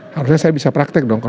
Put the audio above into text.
harusnya saya bisa praktek dong